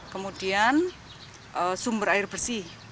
kemudian sumber air bersih